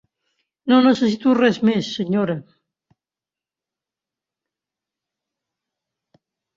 No necessito res més, senyora.